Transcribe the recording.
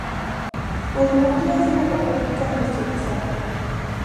Udmurtia es una república industrializada.